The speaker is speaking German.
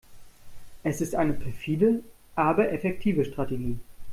Es ist eine perfide, aber effektive Strategie.